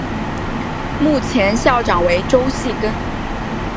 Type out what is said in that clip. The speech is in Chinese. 目前校长为周戏庚。